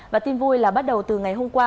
và tin vui là bắt đầu từ ngày hôm qua